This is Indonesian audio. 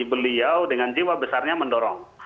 beliau dengan jiwa besarnya mendorong